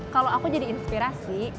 kalau aku jadi inspirasi